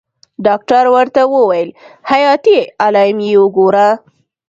ډاکتر ورته وويل حياتي علايم يې وګوره.